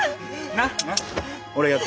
なっ？